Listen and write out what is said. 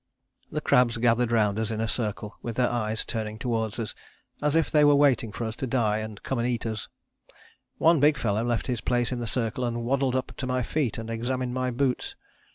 "The crabs gathered round us in a circle, with their eyes turning towards us as if they were waiting for us to die to come and eat us. One big fellow left his place in the circle and waddled up to my feet and examined my boots.